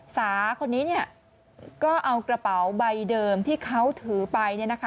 สาคนนี้เนี่ยก็เอากระเป๋าใบเดิมที่เขาถือไป